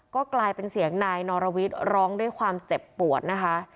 ก็กลายเป็นเสียงนายนรวิทย์ร้องด้วยความเจ็บปวดนะคะ